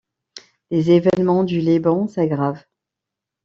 Les événements du Liban s’aggravent.